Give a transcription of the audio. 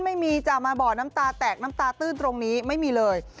ไม่มีจะมาบ่อน้ำตาแตกน้ำตาตื้นตรงนี้ไม่มีเลย